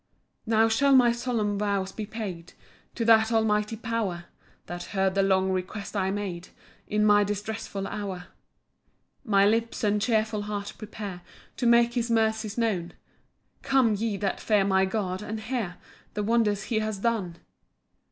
1 Now shall my solemn vows be paid To that Almighty power, That heard the long requests I made In my distressful hour. 2 My lips and cheerful heart prepare To make his mercies known; Come, ye that fear my God, and hear The wonders he has done.